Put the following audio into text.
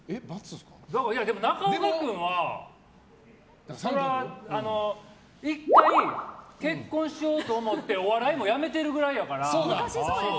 中岡君は１回、結婚しようと思ってお笑いもやめてるくらいやから。